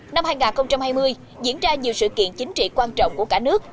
năm hai nghìn hai mươi diễn ra nhiều sự kiện chính trị quan trọng của cả nước